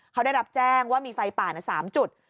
เขาได้รับแจ้งว่ามีไฟป่าใน๓จุด